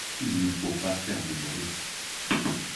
Il ne faut pas faire de bruit.